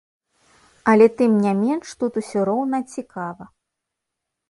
Але тым не менш тут усё роўна цікава.